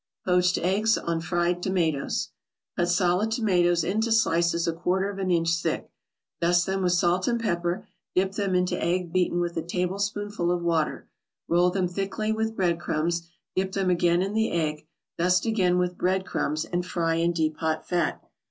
POACHED EGGS ON FRIED TOMATOES Cut solid tomatoes into slices a quarter of an inch thick, dust them with salt and pepper, dip them in egg beaten with a tablespoonful of water, roll them thickly with bread crumbs, dip them again in the egg, dust again with bread crumbs, and fry in deep hot fat.